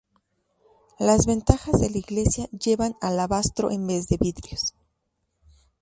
Las ventanas de la iglesia llevan alabastro en vez de vidrios.